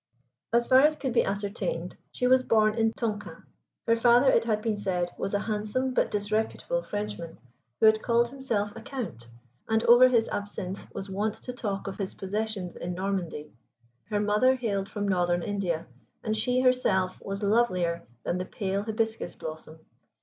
As far as could be ascertained she was born in Tonquin; her father, it had been said, was a handsome but disreputable Frenchman, who had called himself a count, and over his absinthe was wont to talk of his possessions in Normandy; her mother hailed from Northern India, and she herself was lovelier than the pale hibiscus blossom.